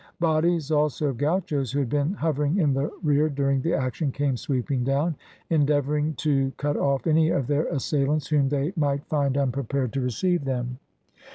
Bodies also of gauchos, who had been hovering in the rear during the action, came sweeping down, endeavouring to cut off any of their assailants whom they might find unprepared to receive them.